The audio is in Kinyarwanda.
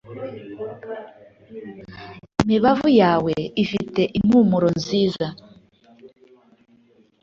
imibavu yawe ifite impumuro nziza